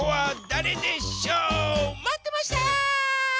まってました！